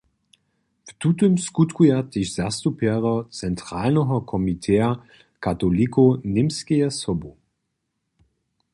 W tutych skutkuja tež zastupjerjo Centralneho komiteja katolikow Němskeje sobu.